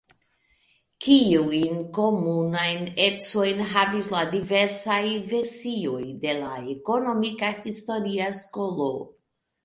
Kiujn komunajn ecojn havis la diversaj versioj de la ekonomika historia skolo?